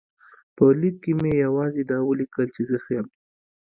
په لیک کې مې یوازې دا ولیکل چې زه ښه یم.